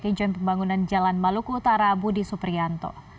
kejun pembangunan jalan maluku utara budi suprianto